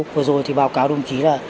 vừa rồi thì báo cáo đồng chí là